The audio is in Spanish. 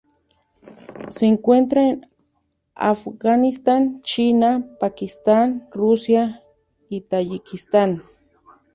Se encuentra en Afganistán, China, Pakistán, Rusia y Tayikistán.